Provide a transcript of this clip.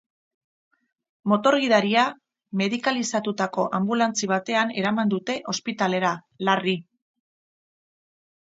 Motor-gidaria medikalizatutako anbulantzia batean eraman dute ospitalera, larri.